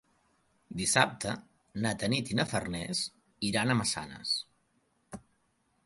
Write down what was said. Dissabte na Tanit i na Farners iran a Massanes.